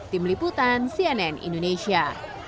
tim liputan cnn indonesia